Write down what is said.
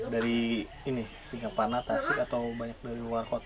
dari ini singaparna tasik atau banyak dari luar kota